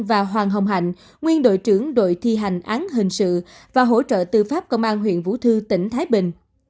và hoàng hồng hạnh nguyên đội trưởng đội thi hành án hình sự và hỗ trợ tư pháp công an huyện vũ thư tỉnh thái bình